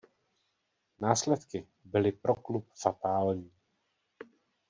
Následky byly pro klub fatální.